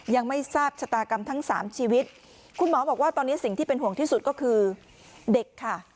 ยังไม่ทราบชะตากรรมทั้งสามชีวิตคุณหมอบอกว่าตอนนี้สิ่งที่เป็นห่วงที่สุดก็คือเด็กค่ะ